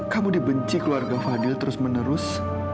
kamu dibenci keluarga fadil terus menerus